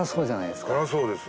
辛そうです。